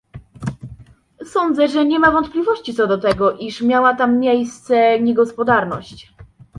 Sądzę, że nie ma wątpliwości co do tego, iż miała tam miejsce niegospodarność